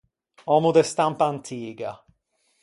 Òmmo de stampa antiga.